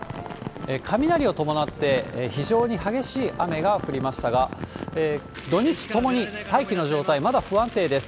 雷を伴って、非常に激しい雨が降りましたが、土日ともに大気の状態、まだ不安定です。